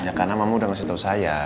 ya karena mamu udah ngasih tau ke saya